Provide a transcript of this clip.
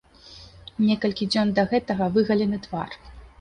Некалькі дзён да гэтага выгалены твар.